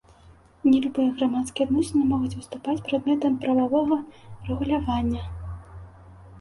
Не любыя грамадскія адносіны могуць выступаць прадметам прававога рэгулявання.